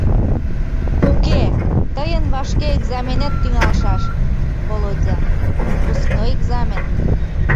— Уке, тыйын вашке экзаменет тӱҥалшаш, Володя, выпускной экзамен.